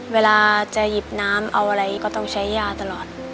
เวลาจะหยิบน้ำเอาอะไรก็ต้องใช้ย่าตลอด